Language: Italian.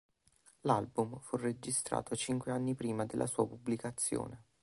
L'album fu registrato cinque anni prima della sua pubblicazione.